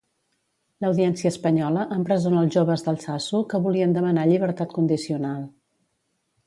L'Audiència espanyola empresona els joves d'Altsasu que volien demanar llibertat condicional.